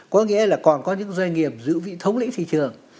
có nghĩa là còn có những doanh nghiệp giữ vị thống lĩnh thị trường